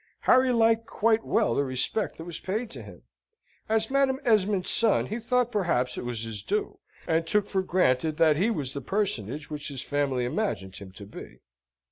Harry liked quite well the respect that was paid to him. As Madam Esmond's son he thought perhaps it was his due: and took for granted that he was the personage which his family imagined him to be.